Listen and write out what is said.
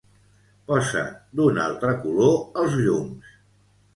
Posa d'un altre color els llums.